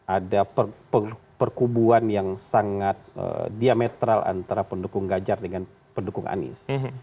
ada perkubuan yang sangat diametral antara pendukung ganjar dengan pendukung anies